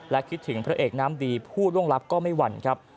และคิดถึงพระเอกน้ำดีผู้ล่วงลับก็ไม่หวั่นครับ